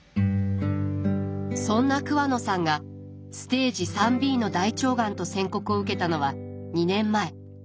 そんな桑野さんがステージ３ｂの大腸がんと宣告を受けたのは２年前。